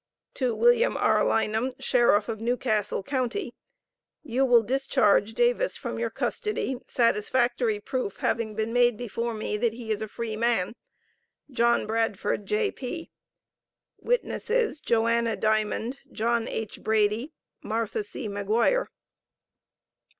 To Wm. R. Lynam, Sheriff of Newcastle county: You will discharge Davis from your custody, satisfactory proof having been made before me that he is a free man. JOHN BRADFORD, J.P. Witnesses Joanna Diamond, John H. Brady, Martha C. Maguire.